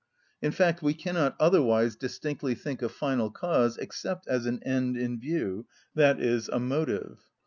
In fact, we cannot otherwise distinctly think a final cause except as an end in view, i.e., a motive.